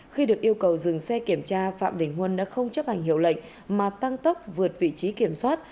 khi được yêu cầu dừng xe kiểm tra phạm đình huân đã không chấp hành hiệu lệnh mà tăng tốc vượt vị trí kiểm soát